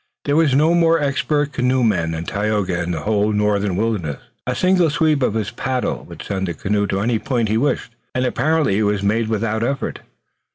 There was no more expert canoeman than Tayoga in the whole northern wilderness. A single sweep of his paddle would send the canoe to any point he wished, and apparently it was made without effort.